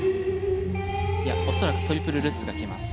いや恐らくトリプルルッツがきます。